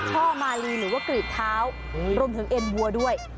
ช่อมาลีหรือว่ากรีดเท้ารวมถึงเอ็นวัวด้วย